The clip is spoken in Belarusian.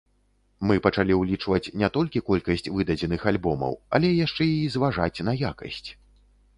Мы пачалі ўлічваць не толькі колькасць выдадзеных альбомаў, але яшчэ і зважаць на якасць.